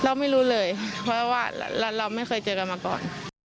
เราไม่รู้เลยเพราะว่าเราไม่เคยเจอกันมาก่อน